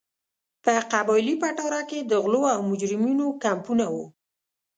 په قبایلي پټاره کې د غلو او مجرمینو کمپونه وو.